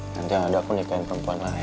nanti yang ada aku nikahin perempuan lah ya